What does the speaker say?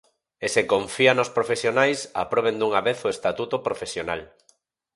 E se confía nos profesionais, aproben dunha vez o estatuto profesional.